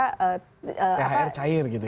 thr cair gitu ya